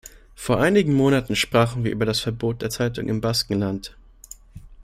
Vor einigen Monaten sprachen wir über das Verbot der Zeitung im Baskenland.